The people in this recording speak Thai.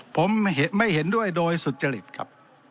ผมไม่เห็นด้วยโดยสุจริตครับ